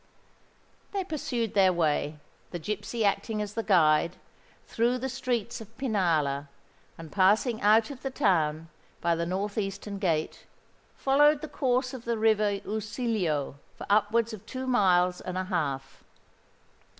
They pursued their way, the gipsy acting as the guide, through the streets of Pinalla, and passing out of the town by the north eastern gate, followed the course of the river Usiglio for upwards of two miles and a half.